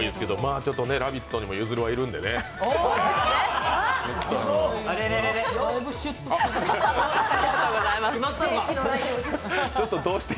ちょっと「ラヴィット！」にもゆずるはいるんですけどね。